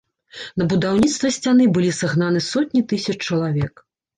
На будаўніцтва сцяны былі сагнаны сотні тысяч чалавек.